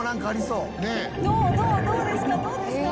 どうですか？」